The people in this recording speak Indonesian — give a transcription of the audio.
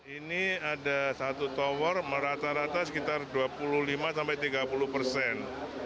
ini ada satu tower merata rata sekitar dua puluh lima sampai tiga puluh persen